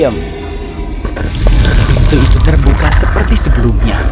pintu itu terbuka seperti sebelumnya